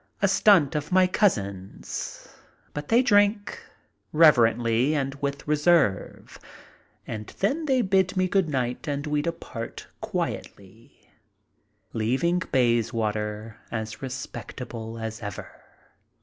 A stunt of my cousin's. But they drink, reverently and with reserve, and then they bid me good night, and we depart quietly, leaving Bayswater as respect able as ever.